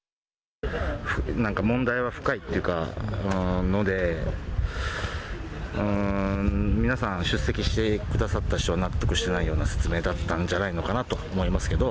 なんか問題は深いっていうか、ので、皆さん、出席してくださった人は納得してないような説明だったんじゃないのかなと思いますけど。